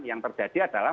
yang terjadi adalah